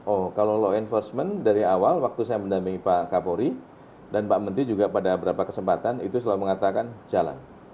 oh kalau law enforcement dari awal waktu saya mendampingi pak kapolri dan pak menteri juga pada beberapa kesempatan itu selalu mengatakan jalan